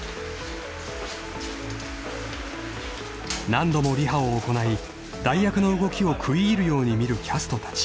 ［何度もリハを行い代役の動きを食い入るように見るキャストたち］